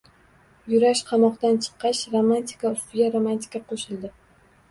Yurash qamoqdan chiqqach, romantika ustiga romantika qoʻshildi.